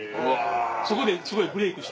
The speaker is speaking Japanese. そこですごいブレークして。